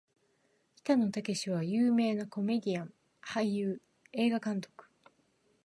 北野武は有名なコメディアン・俳優・映画監督